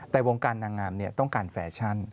แต่วงการนางงามต้องการแฟชั่น